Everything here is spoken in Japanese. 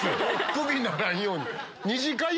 クビにならんように。